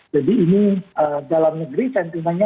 jadi ini dalam negeri sentimennya